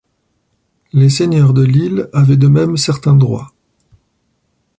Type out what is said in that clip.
Les seigneurs de L'Isle avaient de même certains droits.